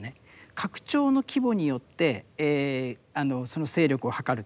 拡張の規模によってその勢力を図ると。